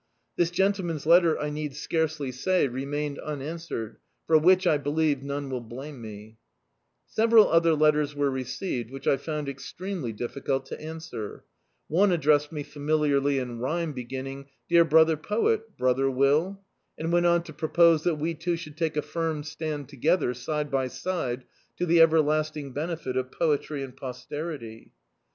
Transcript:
This gentleman's letter, I need scarcely say, Dictzed by Google Success remained unanswered, for which, I believe, none will blame me. Several other letters were received, which I found extremely difficult to answer. One addressed me familiarly in rhyme, beginning — "Dear brother poet, brother Will;" and went on to propose that we two should take a firm stand tt^ther, side by side, to the everlasting benefit of poetry and posterity.